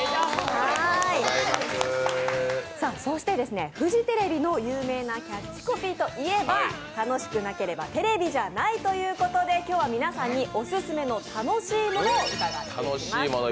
そしてフジテレビの有名なキャッチコピーといえば「楽しくなければテレビじゃない！」ということで、今日は皆さんにオススメの楽しいものを伺っています。